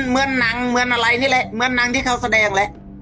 มันคล้ายเหมือนหนังที่เขาแสดงแหละ